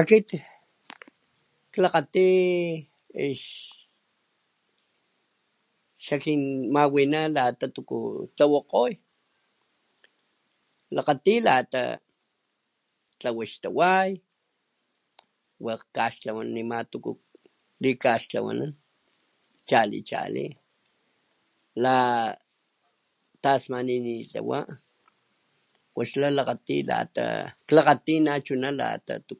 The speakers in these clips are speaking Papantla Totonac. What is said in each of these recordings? Akit klakgati ix xakimawina lata tuku tlawakgo klakgati lata tlawa xtaway wakg nekaxtlawa wakg tuku likaxtlawanan chali chali latasmanitawa wax la klakgati lata uyu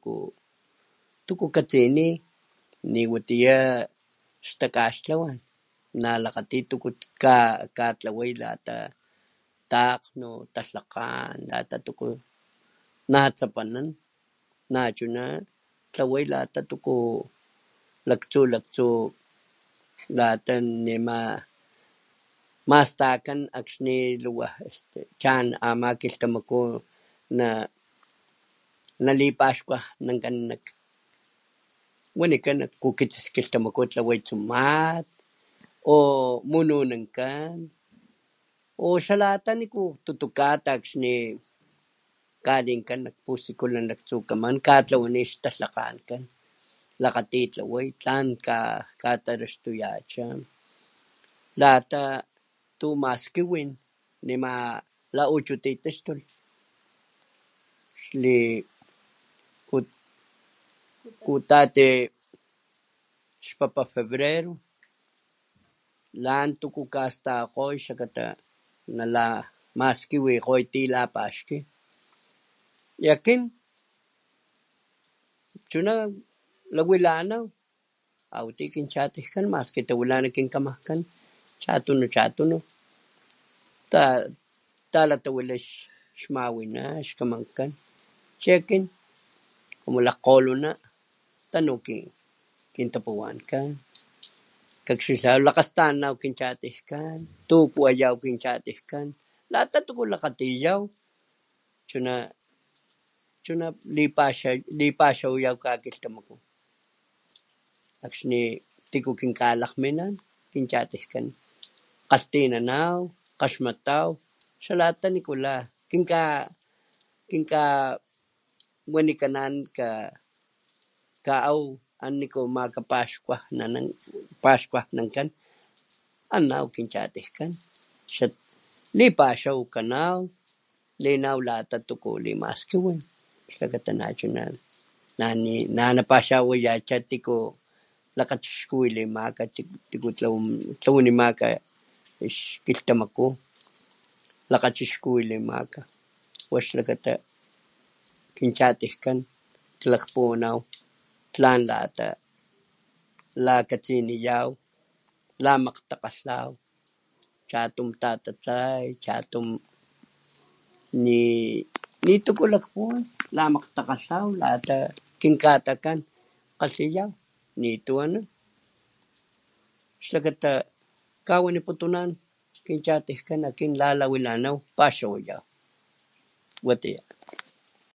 tuku katsini niwatiya xtakastkawan nalakgati tuku katlaway takgnu talhakgan lata tuku natsapanan nachuna natlaway lata tuku laktsu laktsu lata nema mastakan akxni chan este ama kilhtamaku nalipaxnanwankan nanikan kukitsis tlawanikan tsumat o mununanakan o xalata kata akxni kalinkan nak pusikulan laktsukaman katlawani laktsukan xtatlakgankan lagatai tlaway lan katraxtuyacha lata tu maskiwin nema la uchu titaxtulh xli kutati xpapa febrero lan tuku kastakgoy xlakata namaskiwikgoy lata lapaxkiy y akin chuna lamanay a tiy chichatuykan maski tawilana kinkamajkan chatunu chatunu talatawilay xmawina xkamankan chi akin como lakgolona tanu kintapuwankan kakxilaw lakastanana akin kinchatuykan tu wayaw kichatuykan lata tuku lakgatiway chuna lipaxaw kakilhyamaku akxni tiku kinkalagminana kinchatijkan kgalhtinanaw kgaxmataw xalata nikula kinka kinka wanikanan kaaw niku kinpaxkuananaw ana nitantlikan anaw kinchatiykan lipaxaw kanaw lina lata tuku lmaskiwin xlakata nalipawaxawayaw lata tiku tlawanimaka ixkilhtamaku lakachixkuwilimaka wax lakata kinchatuykan klakpuwanan tlan lata lakatsinitaw lamakgtakgalhaw chatun tatatlay chatun nitu lipuwan lamakgtakgalhkan lata kikatakan kgalhiyaw nitu anan xlakata kawaniputuna akinchatuyka la lawilanaw paxawayaw watiya.